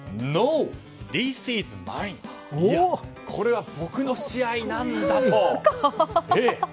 いやこれは僕の試合なんだと。